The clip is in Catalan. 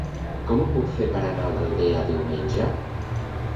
Com ho puc fer per anar a l'Aldea diumenge?